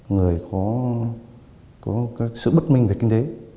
người có sự bất minh về kinh tế